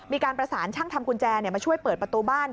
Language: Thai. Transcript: มีการประสานช่างทำกุญแจมาช่วยเปิดประตูบ้าน